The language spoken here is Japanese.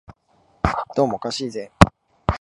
どうもおかしいぜ